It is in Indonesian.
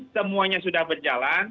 semuanya sudah berjalan